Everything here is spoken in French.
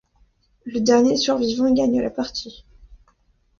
Le dernier survivant gagne la partie.